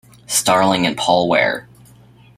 Starling and Paul Ware.